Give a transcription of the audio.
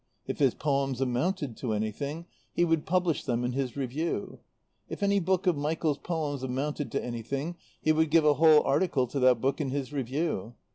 If his poems amounted to anything he would publish them in his Review. If any book of Michael's poems amounted to anything he would give a whole article to that book in his Review.